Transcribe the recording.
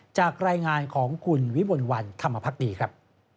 จากรายงานของคุณวิมลวันธรรมภักดีครับ